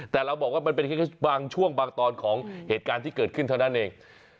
แต่เราบอกว่ามันเป็นแค่บางช่วงบางตอนของเหตุการณ์ที่เกิดขึ้นเท่านั้นเอง